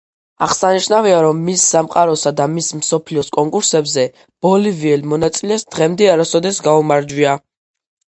აღსანიშნავია, რომ მის სამყაროსა და მის მსოფლიოს კონკურსებზე ბოლივიელ მონაწილეს დღემდე არასოდეს გაუმარჯვია.